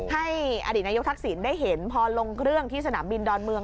ให้อดีตนายกทักษิณได้เห็นพอลงเครื่องที่สนามบินดอนเมือง